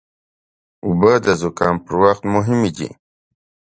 اوبه د زکام پر وخت مهمې دي.